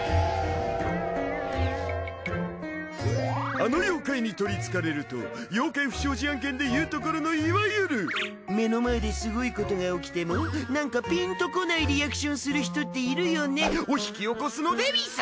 あの妖怪にとりつかれると妖怪不祥事案件でいうところのいわゆる目の前ですごいことが起きてもなんかピンとこないリアクションする人っているよねを引き起こすのでうぃす！